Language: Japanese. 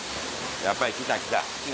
やっぱり来た来た。